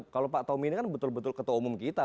kalau pak tommy ini kan betul betul ketua umum kita